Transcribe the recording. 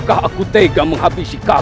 aku akan menutup hatiku